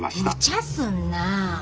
むちゃすんなあ。